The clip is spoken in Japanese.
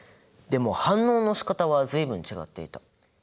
でも反応のしかたは随分違っていた。